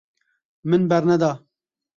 Min berneda.